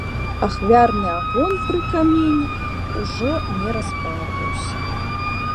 Ахвярны агонь пры камені ўжо не распальваўся.